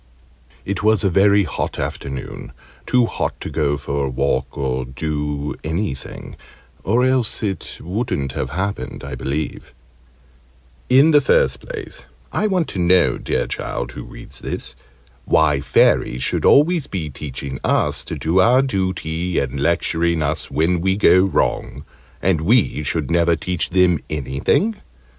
It was a very hot afternoon too hot to go for a walk or do anything or else it wouldn't have happened, I believe. In the first place, I want to know dear Child who reads this! why Fairies should always be teaching us to do our duty, and lecturing us when we go wrong, and we should never teach them anything?